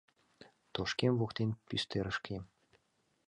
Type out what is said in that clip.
Тошкем воктен пистерышкем